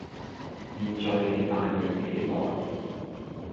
現在你大嚷起來，